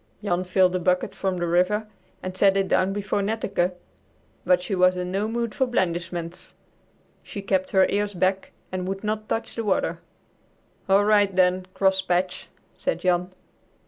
Jan filled the bucket from the river and set it down before Netteke, but she was in no mood for blandishments. She kept her ears back and would not touch the water. "All right, then, Crosspatch," said Jan.